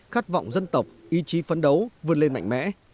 khát vọng dân tộc ý chí phấn đấu vươn lên mạnh mẽ